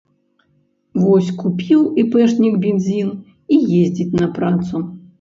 Вось купіў іпэшнік бензін і ездзіць на працу.